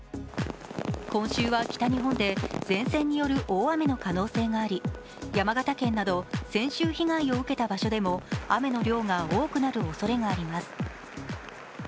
今週は北日本で前線による大雨の可能性があり山形県など先週被害を受けた場所でも雨の量が多くなるおそれがあります。